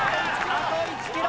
あと１ｋｍ。